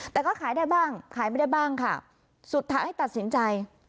แต่ก็ขายได้บ้างขายไม่ได้บ้างค่ะสุดท้ายตัดสินใจ